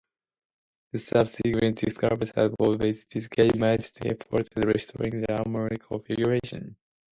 The subsequent describers have always dedicated much effort at restoring the armour configuration.